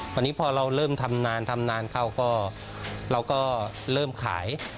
คราวนี้พอเราเริ่มทำนานทำนานเข้าก็เริ่มขาย